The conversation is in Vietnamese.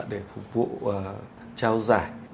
để phục vụ trao giải